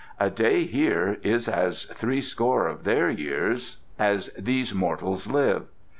A day here is as threescore of their years as these mortals live.